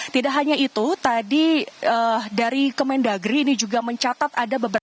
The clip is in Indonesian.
tidak hanya itu tadi dari kemendagri ini juga mencatat ada beberapa